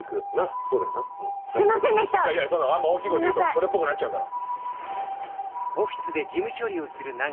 それっぽくなっちゃうから。